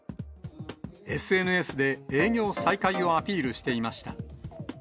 ＳＮＳで営業再開をアピールしていました。